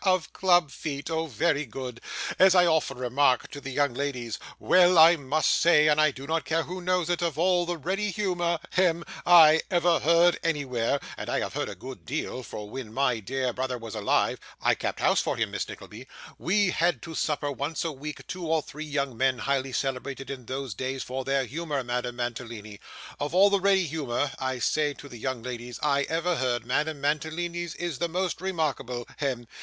Of club feet! Oh very good! As I often remark to the young ladies, "Well I must say, and I do not care who knows it, of all the ready humour hem I ever heard anywhere" and I have heard a good deal; for when my dear brother was alive (I kept house for him, Miss Nickleby), we had to supper once a week two or three young men, highly celebrated in those days for their humour, Madame Mantalini "Of all the ready humour," I say to the young ladies, "I ever heard, Madame Mantalini's is the most remarkable hem.